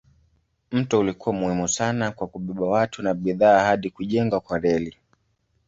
Mto ulikuwa muhimu sana kwa kubeba watu na bidhaa hadi kujengwa kwa reli.